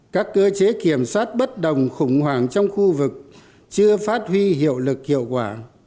các cơ chế kiểm soát bất đồng khủng hoảng trong khu vực chưa phát huy hiệu lực hiệu quả